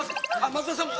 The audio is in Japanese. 松田さんも。